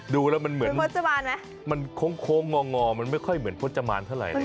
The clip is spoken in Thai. ดูแล้วมันเหมือนมันโค้งงอมันไม่ค่อยเหมือนพจมานเท่าไหร่